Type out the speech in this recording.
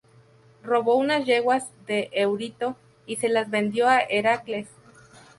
Robó unas yeguas de Éurito y se las vendió a Heracles.